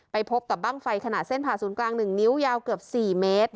พบกับบ้างไฟขนาดเส้นผ่าศูนย์กลาง๑นิ้วยาวเกือบ๔เมตร